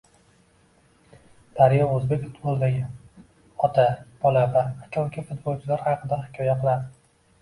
Daryo o‘zbek futbolidagi ota-bola va aka-uka futbolchilar haqida hikoya qiladi